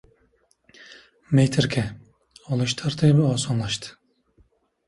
"Metrka" olish tartibi osonlashdi